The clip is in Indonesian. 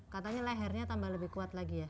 katanya lehernya tambah lebih kuat lagi ya